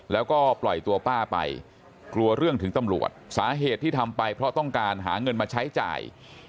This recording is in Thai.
แล้วก็ปล่อยตัวป้าไปกลัวเรื่องถึงตำรวจสาเหตุที่ทำไปเพราะต้องการหาเงินมาใช้จ่าย